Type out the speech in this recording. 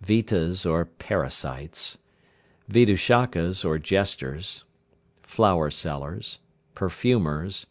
Vitas or parasites. Vidushakas or jesters. Flower sellers. Perfumers.